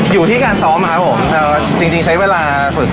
อยู่ที่การซ้อมครับผมจริงใช้เวลาฝึก